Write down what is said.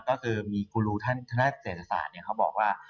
ก็คือมีครูรูท่านธนาคติเศรษฐศาสตร์เขาบอกว่า